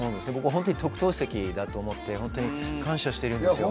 本当に特等席だと思って感謝してるんですよ。